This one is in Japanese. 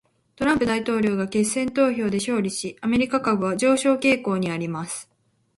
トランプ大統領が決選投票で勝利し、アメリカ株は上昇傾向にあります。